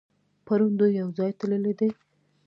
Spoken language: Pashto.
پرون دوی يوځای تللي دي.